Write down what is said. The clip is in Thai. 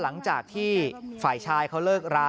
หลังจากที่ฝ่ายชายเขาเลิกรา